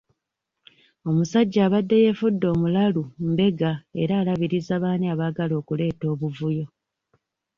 Omusajja abadde yeefudde omulalu mbega era alabiriza baani abaagala kuleeta buvuyo.